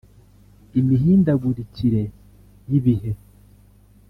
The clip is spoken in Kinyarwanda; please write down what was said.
Imihindagurikire y’ibihe